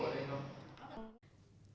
trước thêm năm học mới